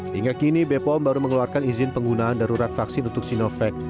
hingga kini bepom baru mengeluarkan izin penggunaan darurat vaksin untuk sinovac